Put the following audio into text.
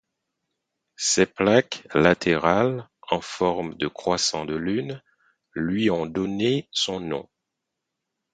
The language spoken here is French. Ses plaques latérales en forme de croissants de lune lui ont donné son nom.